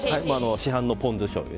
市販のポン酢しょうゆ。